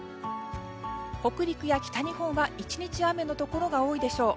北陸や北日本は１日雨のところが多いでしょう。